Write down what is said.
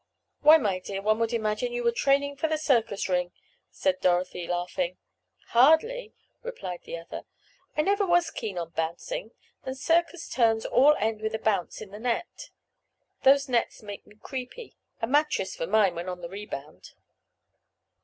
"Why, my dear, one would imagine you were training for the circus ring," said Dorothy laughing. "Hardly," replied the other. "I never was keen on bouncing, and circus turns all end with a bounce in the net. Those nets make me creepy—a mattress for mine when on the rebound.